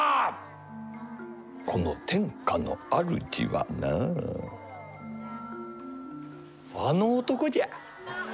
この天下の主はなあの男じゃ。